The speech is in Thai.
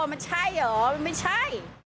มันใช่เหรอมันไม่ใช่